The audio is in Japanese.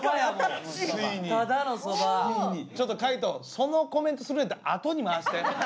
そのコメントスベったあとに回して。